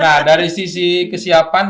nah dari sisi kesiapan